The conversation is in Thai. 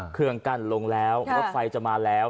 เครื่องกั้นลงแล้วรถไฟจะมาแล้ว